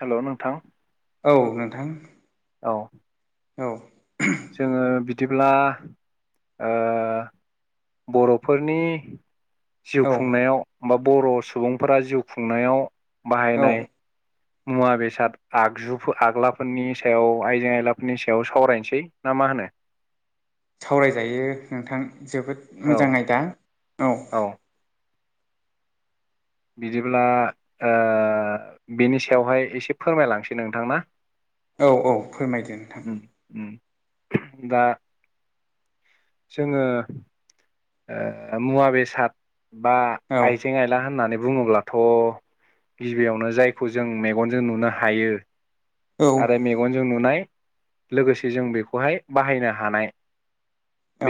हेल नोंथां। औ नोंथां औ औ। जोङो बिदिब्ला ओ बर'फोरनि जिउ औ खुंनायाव बा बर' सुबुंफोरा जिउ खुंनायाव औ बाहायनाय मुवा बेसाद आगजुफोर आगलाफोरनि सायाव आइजें आयलाफोरनि सायाव सावरायनोसै ना मा होनो? सावरायजायो नोंथां जोबोद औ मोजां आयदा। औ। बिदिब्ला ओ बिनि सायावहाय एसे फोरमायलांसै नोंथां ना। औ औ फोरमायदो नोंथां। उम उम दा जोङो ओ मुवा बेसाद बा औ आइजें आइला होननानै बुङोब्लाथ गिबियावनो जायखौ जों मेगनजों नुनो हायो। औ आरो मेगनजों नुनाय लोगोसे जों बेखौहाय बाहायनो हानाय।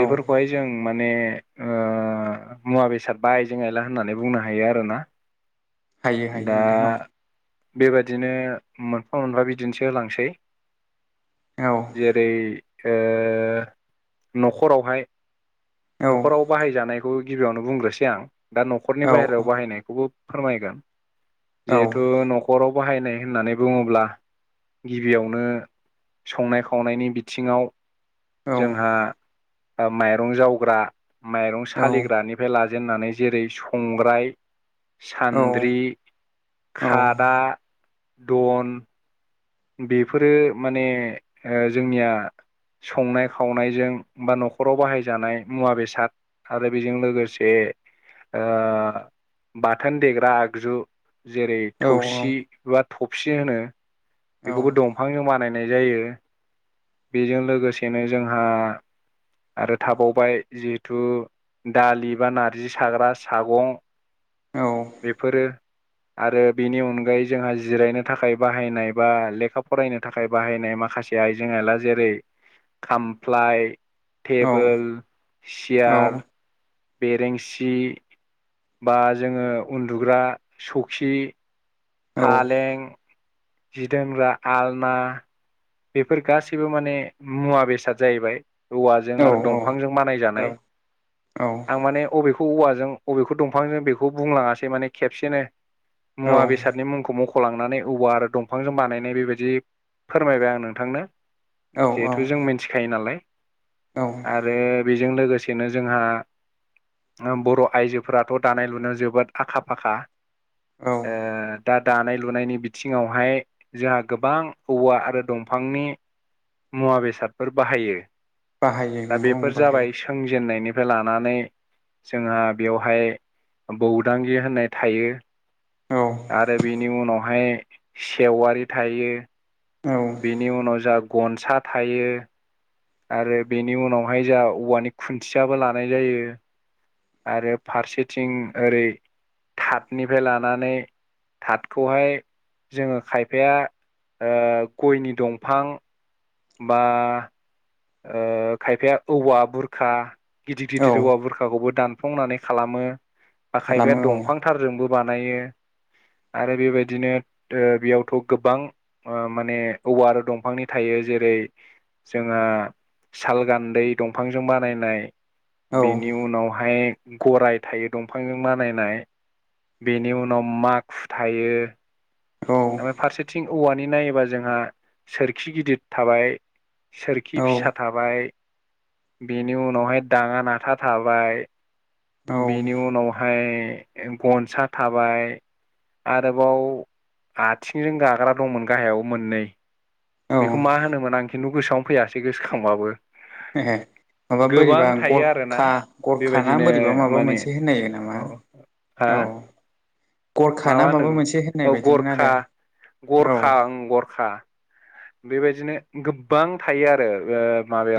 औ जों माने ओ मुवा बेसाद बा आइजें आयला होननानै बुंनो हायो आरोना। हायो दा हायो नोंथां औ। बेबादिनो मोनफा मोनफा बिदिन्थि होलांसै। औ जेरै ओ न'खरावहाय औ बेखौ गिबियावनो बुंग्रोसै आं दा न'खरनि औ बाहेरायाव बाहायनायखौबो फोरमायगोन। औ जिहेथु न'खराव बाहायनाय होननानै बुङोब्ला गिबियावनो संनाय खावनायनि बिथिङाव औ जोंहा माइरं जावग्रा माइरं औ औ सालिग्रानिफ्राय ला- जेनानै जेरै संग्राय सान्द्रि खादा दन बेफोरो माने ओ जोंनिया संनाय खावनायजों बा नखराव बाहायजानाय मुवा बेसाद आरो बेजों लोगोसे आ बाथोन देग्रा आगजु जेरै थौसि बा थबसि होनो बेखौबो दंफांजों बानायनाय जायो बेजों लोगोसेनो जोंहा आरो थाबावबाय जिहेथु दालि बा नारजि साग्रा सागं बेफोरो आरो बेनि अनगायै जोंहा जिरायनो थाखाय बाहायनाय बा लेखा फरायनो थाखाय बाहायनाय माखासे आइजें आयला जेरै खामफ्लाय टेबोल चेयार बेरेंसि बा जोङो उन्दुग्रा सौखि फालें जि दोनग्रा आलना बेफोर गासैबो माने मुवा बेसाद जाहैबाय औवाजों आरो दंफांजों बानायजानाय आं माने अबेख खौ औवाजों अबेखौ दंफांजों बेखौ बुंलाङासै माने खेबसेनो औ मुवा बेसादनि मुंखौ मख लांनानै औवा आरो दंफांजों बानायनाय बेबायदि फोरमायबाय आं नोंथांनो जिहेथु जों मिथिखायो नालाय आरो बेजों लोगोसेनो जोंहा बर आइजोफोराथ दानाय लुनायाव जोबोद आखा फाखा औ ओ दा दानाय लुनायनि बिथिङावहाय जोंहा गोबां औवा आरो दं फांनि मुवा बेसादफोर बाहायो बाहायो दा नंगौ बेफोर जाबाय बाहायो सोंजेननायनि फाय लानानै जोंहा बेयावहाय बौदांगि होननाय थायो औ आरो बेनि उनावहाय सेवारि थायो औ बेनि उनाव जा गनसा थायो आरो बेनि उनावहाय जाहा औवानि खुन्थियाबो लानाय जायो आरो फारसेथिं ओरै थाथनिफ्राय लानानै थाथखौहाय जोङो खायफाया ओ गयनि दंफां बा ओ खायफाया औवा बुरखा गिदिर औ गिदिर औवा बुरखाखौबो दानफ्लंनानै खालामो बा खायफाया खालामो औ दंफां थारजोंबो बानायो आरो बेबायदिनो ओ बेयावथ गोबां ओ माने औवा आरो दंफांनि थायो जेरै जोंहा साल गान्दै दंफांजों बानायनाय औ बेनि उनावहाय गराय थायो दंफांजों बानायनाय बेनि उनाव माखुथायो औ ओमफ्राय फारसेथिं औवानि नायोबा जोंहा सोरखि गिदिर थाबाय औ सोरखि फिसा थाबाय बेनि उनावहाय दाङा नाथा थाबाय औ बेनि उनावहाय गनसा थाबाय आरोबाव आथिंजों गाग्रा दंमोन गाहायाव मोननै औ बेखौ मा होनोमोन आं खिन्थु गोसोआवनो फैयाासै गोसोखांबाबो [unintelligible] माबा गोबां बोरैबा थायो आरोना गरखा गरखा ना बेबायदिनो बोरैबा माबा माने मोनसे होननायो नामा? औ हा औ गरखा ना माबा होनदों मोनसे होननाय औ बायदिमोन गरखा आरो गरखा ओं गरखा बेबायदिनो गोबां थायो आरो ओ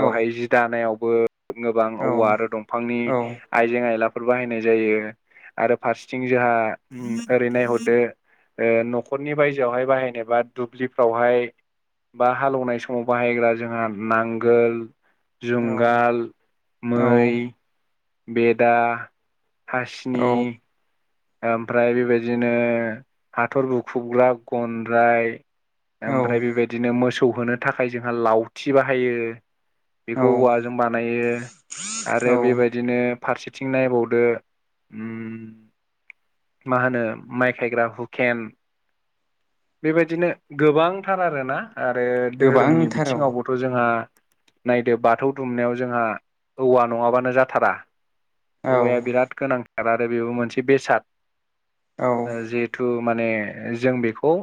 औ जि दानायावबो गोबां औ औवा आरो दंफांनि औ आइजें आयलाफोर बाहायनाय जायो आरो फारसेथिं जोंहा ओरै नायहरदो ओ न'खरनि बायजोआवहाय बाहायनो बा दुब्लिफ्रावहाय बा हालेवनाय समाव बाहायग्रा जोंहा नांगोल औ जुंगाल, औ मै, बेदा हासिनि ओमफ्राय बेबायदिनो हाथर बुखुबग्रा गनद्राय औ ओमफ्राय बेबायदिनो मोसौ होनो थाखाय जोंहा लावथि बाहायो औ बेखौ औवाजों बानायो औ आरो बेबायदिनो फारसेथिं नायबावदो उम मा होनो माइ खायग्रा हुखेन बेबायदिनो गोबांथार आरोना आरो धोरोमनि गोबांथार औ बिथिङावबोथ' जोंहा नायदो बाथौ दुमनायाव जोंहा औवा नङाबानो जाथारा औ औवाया बिराद गोनांथार आरो बेबो मोनसे बेसाद औ जिहेथु माने जों बेखौ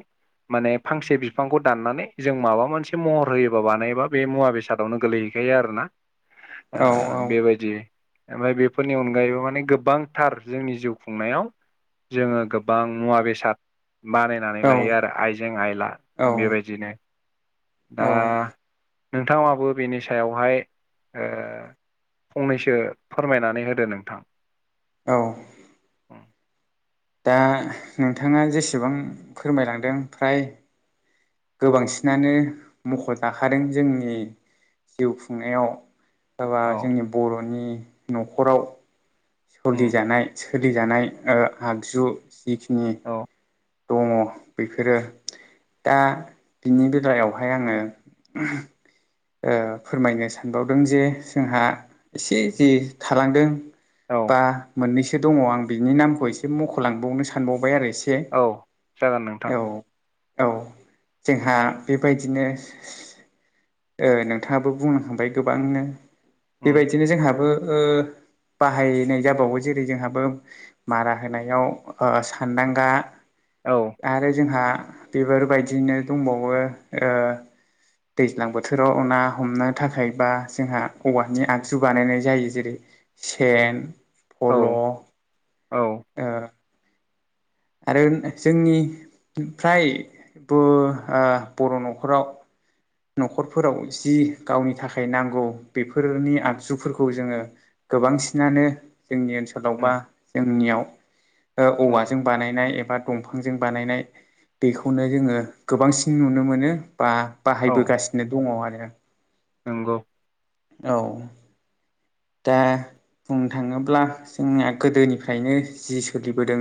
माने फांसे बिफांखौ दाननानै जों माबा मोनसे महर होयोबा बानायोबा बे मुवा बेसादावनो गोलैहोयो थखायो आरोना औ बेबायदि ओमफ्राय बेफोरनि अनगायैबो माने गोबांथार जोंनि जिउ खुंनायाव जोङो गोबां मुवा बेसाद बानायनानै औ लायो आरो आइजें आइला बेबायदिनो दा औ नोंथाङाबो बेनि सायावहाय ओ फंनैसो फोरमायनानै होदो नोंथां औ दा नोंथाङा जेसेबां फोरमायलांदों फ्राय गोबांसिनानो मख' दाखादों जोंनि जिउ खुंनायाव हाबा औ जोंनि बर'नि न'खराव उम सलिजानाय सोलिजानाय ओ आगजु जिखिनि औ दङ बेफोरो दा बिनि बेलायावहाय आङो ओ फोरमायनो सानबावदों जे जोंहा एसे जि थालांदों औ बा मोननैसो दङ आं बिनि नामखौ एसे मख'लांबावनो सानबावबाय आरो एसे औ जागोन नोंथां। औ औ जोंहा बेबायदिनो ओ नोंथाङाबो बुंनो खाबाय गोबांनो उम बेबायदिनो जोंहाबो बाहायनाय जाबावो जेरै जोंहाबो मारा होनायाव सानदांगा औ आरो जोंहा बेफोरबायदिनो दंबावो ओ दैज्लां बो थोराव ना हमनो थाखाय बा जोंहा औवानि आगजु बानायनाय जायो जेरै सेन औ फल' औ आरो जोंनि फ्रायबो ओ बर' न'खराव न'खरफोराव जि गावनि थाखाय नांगौ बेफोरनि आगजुफोरखौ जोङो गोबांसिनानो जोंनि ओनसोलाव बा जोंनियाव ओम बायनाय एबा दंफांजों बानायनाय दैखौनो जोङो गोबांसिन नुनो मोनो बा औ बाहायबोगासिनो दङ आरो नंगौ औ दा बुंनो थाङोब्ला जोंनिया गोदोनिफ्रायनो जि सोलिबोदों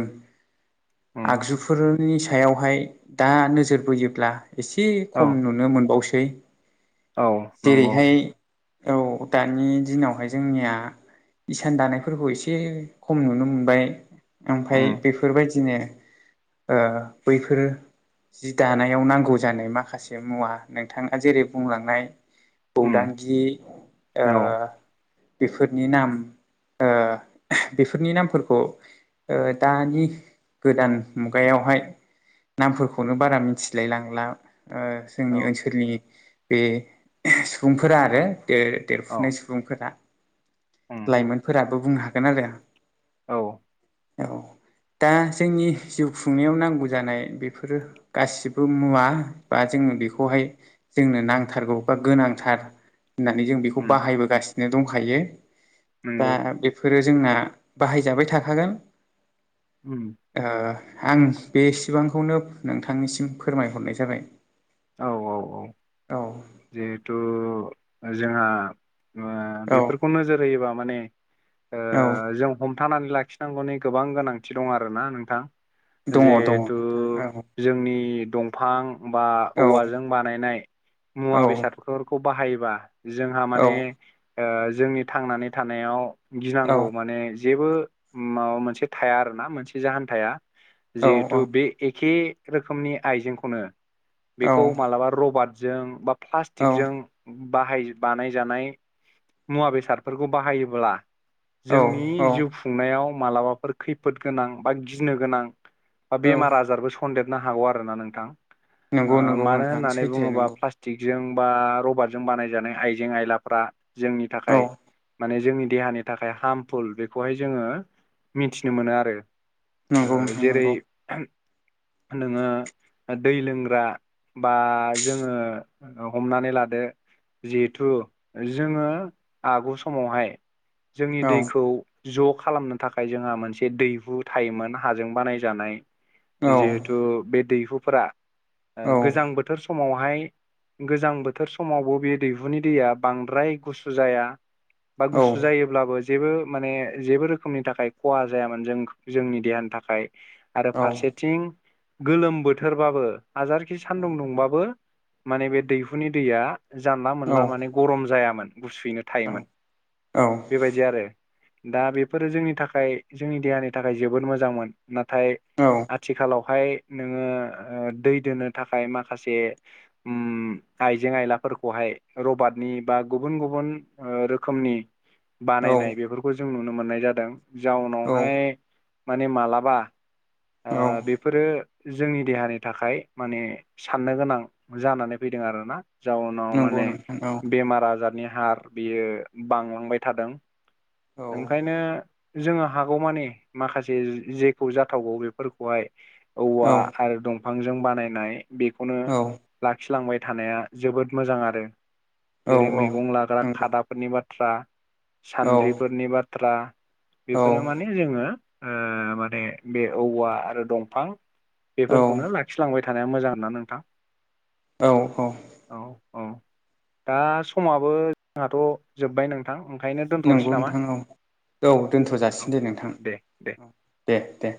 उम आगजुफोरनि सायावहाय दा नोजोर बोयोब्ला एसे औ खम नुनो मोनबावसै। औ नंगौ। जेरैहाय औ दानि दिनावहाय जोंनिया इसान दानायफोरखौ एसे खम नुनो मोनबाय। ओमफ्राय उम बेफोरबायदिनो बैफोरो जि दानायाव नांगौ जानाय माखासे मुवा नोंथाङा जेरै बुंलांनाय उम खौदांगि औ बेफोरनि नाम बेफोरनि नामफोरखौ दानि गोदान मुगायावहाय नामफोरखौनो बारा मिथिलाय लांला औ जोंनि ओनसोलनि बे सुबुंफोरा आरो ओ औ देरफुनाय सुबुंफोरा उम लाइमोनफोराबो बुंनो हागोन आरो। औ औ दा जोंनि जिउ खुंनायाव नांगौ जानाय बेफोरो गासिबो मुवा बा जों बेखौहाय जोंनो नांथारगौ बा गोनांथार होननानै जों बेखौ उम बाहायबोगासिनो दंखायो दा नंगौ बेफोरो जोंना बाहायजाबाय थाखागोन उम आं बेसेबांखौनो नोंथांनिसिम फोरमायहरनाय जाबाय औ औ औ औ जिहेथु जोंहा औ बेफोरखौ नोजोर होयोबा माने औ जों हम थानानै लाखिनांगौनि गोबां गोनांथि दं आरो‌ ना नोंथां दङ दङ जिहेथु नोंथां औ जोंनि दंफां बा औ औवाजों बानायनाय औ मुवा बेसादफोरखौ बाहायोबा जोंहा माने जोंनि थांनानै थानायाव औ गिनांगौ माने जेबो माबा मोनसे थाया आरो ना मोनसे जाहोन थाया औ जिहेथु बे एखे रोखोमनि आइजेंखौनो बेखौ मालाबा रबाटजों बा औ प्लास्टिकजों बाहाय बानायजानाय मुवा बेसादफोरखौ बाहायोब्ला जोंनि औ जिउ खुंनायाव मालाबाफोर खैफोद गोनां बा गिनो गोनां बा औ बेमार आजारबो सनदेरनो हागौ आरोना नोंथां ओ नंगौ नंगौ मानो नोंथां होन्नानै सैथो बुङोबा नंगौ प्लास्टिक जों बा रबादजों बानायजानाय आइजें आइलाफ्रा जोंनि औ थाखाय माने जोंनि देहानि थाखाय हार्मफुल बेखौहाय जोङो मिथिनो मोनो आरो नंगौ नोंथां जेरै नंगौ नोङो दै लोंग्रा बा जोङो हमनानै लादो जिहेथु जोङो आगु समावहाय जोंनि औ दैखौ ज' खालामनो थाखाय जोंहा मोनसे दैहु थायोमोन हाजों बानायजानाय औ जिहेथु बे दैहुफोरा गोजां बोथोर समावहाय गोजां बोथोर समावबो बे दैहुनि दैया बांद्राय गुसु जाया बा औ गुसु जायोब्लाबो जेबो माने जेबो रोखोमनि थाखाय खहा जायामोन जों जोंनि देहानि थाखाय आरो औ फारसेथिं गोलोम बोथोरबाबो हाजारखि सान्दुं दुंबाबो माने बे दैहुनि दैया जानला मोनला माने गरम जायामोन गुसुयैनो थायोमोन बेबायदि आरो दा बेफोरो जोंनि थाखाय जोंनि देहानि थाखाय जोबोद मोजांमोन नाथाय औ आथिखालावहाय नोङो दै दोनो थाखाय माखासे उम आइजें आइलाफोरखै हाय रबादनि बा गुब गुबुन गुबुन रोखोमनि औ बानायनाय बेफोरखौ जों नुनो मोननाय जादों जाउनावहाय औ माने मालाबा बेफोरो जोंनि देहानि थाखाय माने साननो गोनां जानानै फैदों आरोना जाउनाव नंगौ माने नोंथां औ बेमार आजारनि हार बियो बांलांबाय थादों औ ओंखायनो जोङो हागौमानि माखासे जेखौ जाथावबाव बे फोरखौहाय औवा औ आरो दंफांजों बानायनाय बेखौनो औ लाखिलांबाय थानाया जोबोद मोजां आरो औ जेरै औ मैगं लाग्रा नंगौ खादाफोरनि बाथ्रा औ सान्द्रिफोरनि बाथ्रा बेफोरो औ माने जोङो ओ माने बे औवा आरो दंफां बेफोरखौनो लाखिलांबाय थानाया मोजां आरो ना नोंथां औ औ। औ दा समाबो जोंहाथ' जोब्बाय नोंथां ओंखायनो दोनथ'नोसै नंगौ नामा नोंथां औ औ दोनथ' औ जासिनो दे नोंथां। दे दे दे दे।